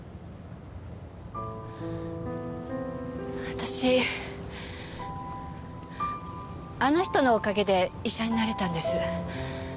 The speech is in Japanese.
私あの人のおかげで医者になれたんです。